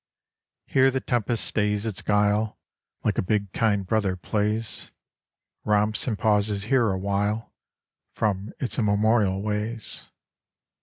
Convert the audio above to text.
Here the tempest stays its guile, Like a big kind brother plays, Romps and pauses here awhile From its immemorial ways.